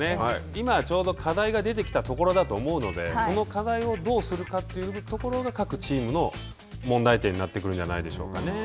今はちょうど課題が出てきたところだと思うので、その課題をどうするかというところが各チームの問題点になってくるんじゃないでしょうかね。